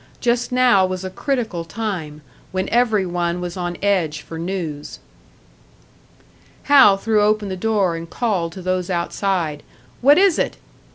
Just now was a critical time, when every one was on edge for news. Hal threw open the door and called to those outside "What is it?"